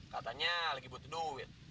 katanya lagi butuh duit